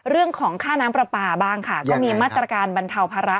เรื่องของค่าน้ำปลาปลาบ้างค่ะก็มีมาตรการบรรเทาภาระ